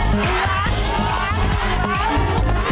เกมต่อเกมต่อ